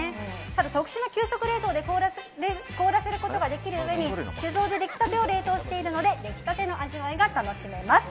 ただ、特殊な急速冷凍で凍らせることができるうえに酒造で出来たてを冷凍しているので出来たての味わいが楽しめます。